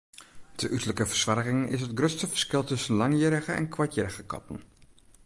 De uterlike fersoarging is it grutste ferskil tusken langhierrige en koarthierrige katten.